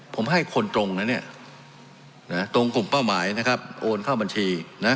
ผมให้คนตรงนะตรงกลุ่มเป้าหมายโอนเข้าบัญชี